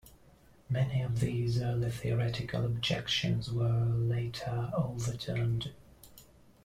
Many of these early theoretical objections were later overturned.